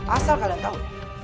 asal kalian tahu